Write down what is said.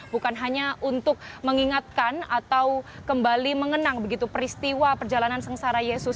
bukan hanya untuk mengingatkan atau kembali mengenang begitu peristiwa perjalanan sengsara yesus